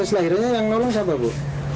proses lahirannya yang nolong siapa bu